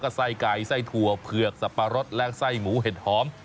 ไส้ไก่ไส้ถั่วเผือกสับปะรดและไส้หมูเห็ดหอม